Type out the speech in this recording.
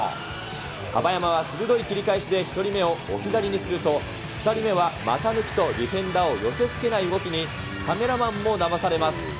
樺山は鋭い切り返しで１人目を置き去りにすると、２人目は股抜きと、ディフェンダーを寄せつけない動きに、カメラマンもだまされます。